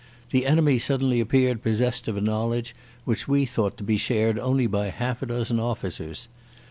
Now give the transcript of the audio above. The enemy suddenly appeared possessed of a knowledge which we thought to be shared only by half a dozen officers.